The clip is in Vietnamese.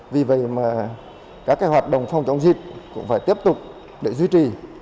vì vậy mà các hoạt động phòng chống dịch cũng phải tiếp tục để duy trì